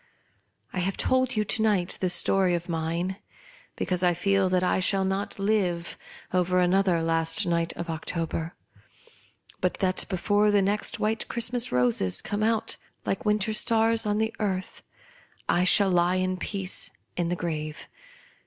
I have told you to night this story of mine, because I feel that I shall not live over another last night of October, but before the next white Christmas roses come out like winter stars on the earth, I shall b<^ at peace in the gi'ave.